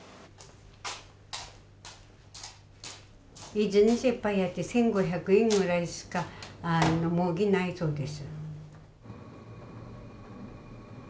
一日いっぱいやって１，５００円ぐらいしか儲けないそうです。